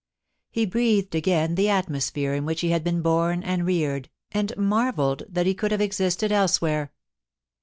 He breathed again the atmosphere in which he had been born and reared, and marvelled that he could have existed elsewhere.